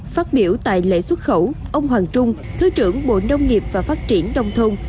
phát biểu tại lễ xuất khẩu ông hoàng trung thứ trưởng bộ nông nghiệp và phát triển đông thôn